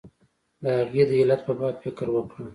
د هغې د علت په باب فکر وکړه.